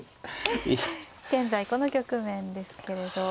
現在この局面ですけれど。